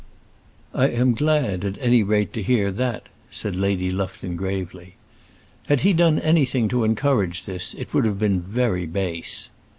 "I am glad, at any rate, to hear that," said Lady Lufton, gravely. "Had he done anything to encourage this, it would have been very base."